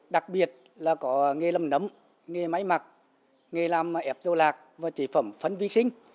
đặc biệt là có nghề lâm nấm nghề máy mặc nghề làm ẹp dâu lạc và chế phẩm phân vi sinh